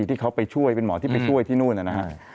ที่เขาไปช่วยเป็นหมอที่ไปช่วยที่นู่นนะครับ